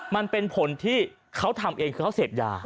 มันเป็นผลที่เขาทำเองคือเขาเสพยา